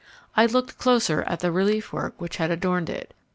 I looked closer at the relief work which had adorned it.